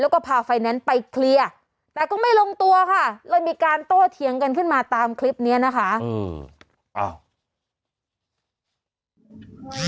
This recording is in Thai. แล้วก็พาไฟแนนซ์ไปเคลียร์แต่ก็ไม่ลงตัวค่ะเลยมีการโต้เถียงกันขึ้นมาตามคลิปนี้นะคะ